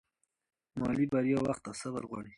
مالي بریا وخت او صبر غواړي.